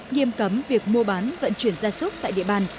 nghiêm cấm việc mua bán vận chuyển gia súc tại địa bàn